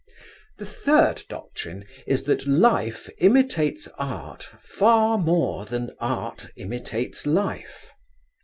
The third doctrine is that Life imitates Art far more than Art imitates Life.